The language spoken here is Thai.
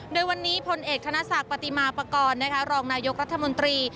โดยวันนี้พลเอกธนศักดิ์ปฏิมาปากรรองนายกรัฐมนตรี